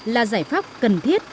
là giải pháp cần thiết